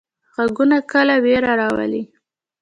غږونه کله ویره راولي.